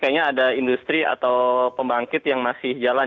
kayaknya ada industri atau pembangkit yang masih jalan